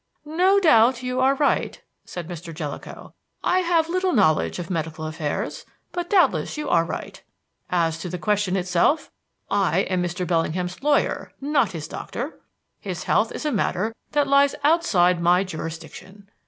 "No doubt you are right," said Mr. Jellicoe. "I have little knowledge of medical affairs, but doubtless you are right. As to the question itself, I am Mr. Bellingham's lawyer, not his doctor. His health is a matter that lies outside my jurisdiction.